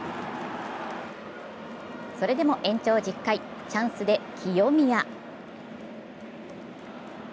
それでも延長１０回、チャンスで清宮。